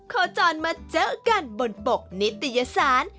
โคจรมาเจอกันบนปกนิตยสาร